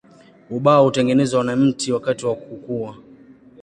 Ubao hutengenezwa na mti wakati wa kukua.